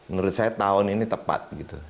menurut saya tahun ini tepat